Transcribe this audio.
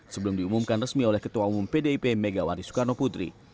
sebelum diumumkan resmi oleh ketua umum pdip megawati soekarno putri